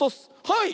はい！